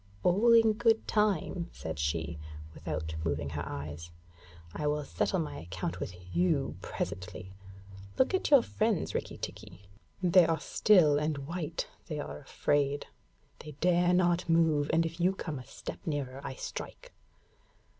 'All in good time,' said she, without moving her eyes. 'I will settle my account with you presently. Look at your friends, Rikki tikki. They are still and white; they are afraid. They dare not move, and if you come a step nearer I strike.'